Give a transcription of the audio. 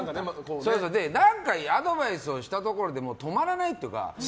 何回アドバイスをしたところで止まらないっていうか